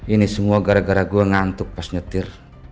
ini semua gara gara gue ngantuk pas nyetir